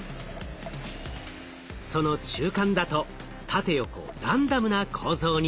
その中間だと縦横ランダムな構造に。